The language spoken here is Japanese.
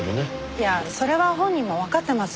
いやあそれは本人もわかってますよ。